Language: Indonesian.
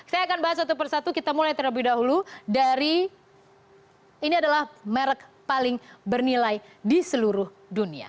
saya akan bahas satu persatu kita mulai terlebih dahulu dari ini adalah merek paling bernilai di seluruh dunia